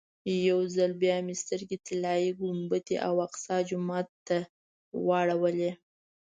یو ځل بیا مې سترګې طلایي ګنبدې او اقصی جومات ته واړولې.